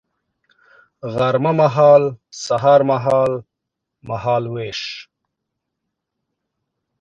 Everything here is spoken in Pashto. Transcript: غرمه مهال سهار مهال ، مهال ویش